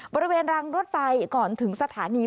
บริเวณรางรถไฟก่อนถึงสถานี